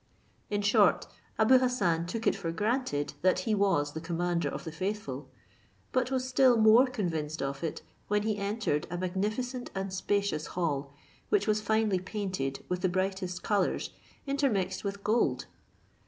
In short, Abou Hassan took it for granted that he was the commander of the faithful; but was still more convinced of it when he entered a magnificent and spacious hall, which was finely painted with the brightest colours intermixed with gold.